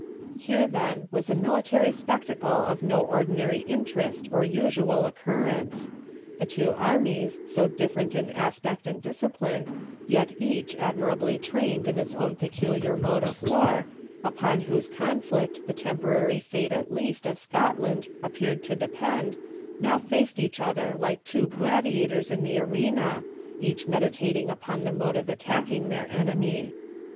Here, then, was a military spectacle of no ordinary interest or usual occurrence. The two armies, so different in aspect and discipline, yet each admirably trained in its own peculiar mode of war, upon whose conflict the temporary fate at least of Scotland appeared to depend, now faced each other like two gladiators in the arena, each meditating upon the mode of attacking their enemy.